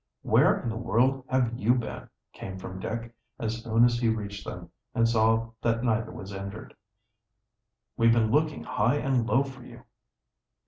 "Where in the world have you been?" came from Dick, as soon as he reached them, and saw that neither was injured. "We've been looking high and low for you."